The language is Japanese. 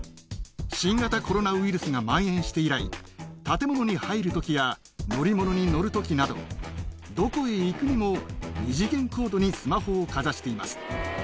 新型コロナウイルスがまん延して以来、建物に入るときや乗り物に乗るときなど、どこへ行くにも二次元コードにスマホをかざしています。